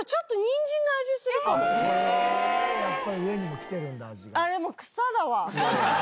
やっぱり上にもきてるんだ味が。